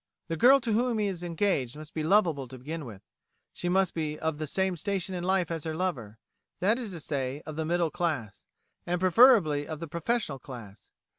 "The girl to whom he is engaged must be lovable to begin with; she must be of the same station in life as her lover that is to say, of the middle class, and preferably of the professional class.